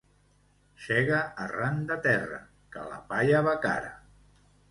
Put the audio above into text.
Sega arran de terra, que la palla va cara.